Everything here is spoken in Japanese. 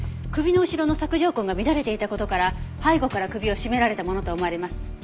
首の後ろの索条痕が乱れていた事から背後から首を絞められたものと思われます。